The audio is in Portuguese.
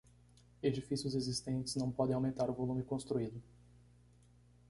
Edifícios existentes não podem aumentar o volume construído.